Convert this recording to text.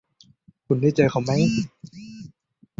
คุณได้เจอเขาไหม